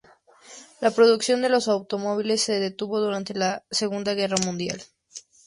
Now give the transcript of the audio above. La producción de los automóviles se detuvo durante la Segunda Guerra Mundial.